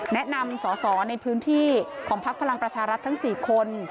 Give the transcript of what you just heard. แนะนำสอสอในพื้นที่ของพักพลังประชารัฐทั้ง๔คน